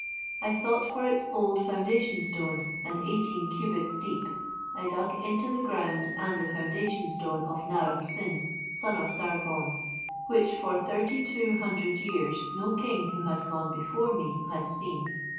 "I sought for its old foundation stone, and eighteen cubits deep—" "I dug into the ground and the foundation stone of Naram Sin, Son of Sargon, which for thirty two hundred years no king who had gone before me had seen."